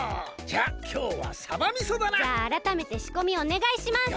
じゃああらためてしこみおねがいします。